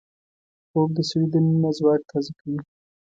خوب د سړي دننه ځواک تازه کوي